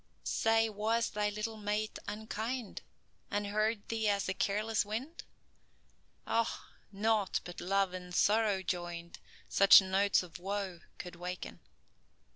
"Say, was thy little mate unkind, And heard thee as the careless wind? Oh! nought but love and sorrow joined Such notes of woe could waken."